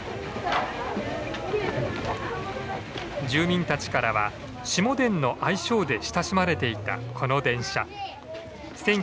住民たちからは「しもでん」の愛称で親しまれていたこの電車。